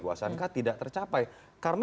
kuasa kah tidak tercapai karena